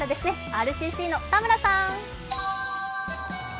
ＲＣＣの田村さん。